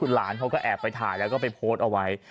หลานเขาก็แอบไปถ่ายแล้วก็ไปโพสต์เอาไว้